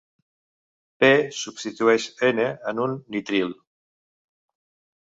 P substitueix N en un nitril.